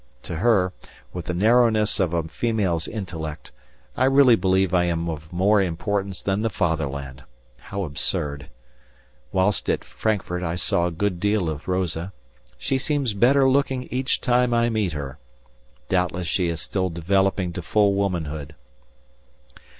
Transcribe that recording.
To her, with the narrowness of a female's intellect, I really believe I am of more importance than the Fatherland how absurd. Whilst at Frankfurt I saw a good deal of Rosa; she seems better looking each time I meet her; doubtless she is still developing to full womanhood.